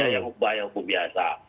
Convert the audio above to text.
yang upaya hukum biasa